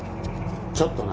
ちょっとな。